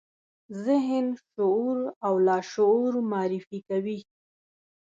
ذهن، شعور او لاشعور معرفي کوي.